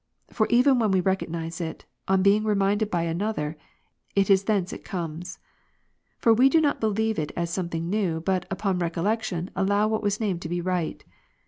for even when we recognize it, on being reminded by another, it is thence it comes. For we do not believe it as something new, but, upon recol lection, allow what was named to be right.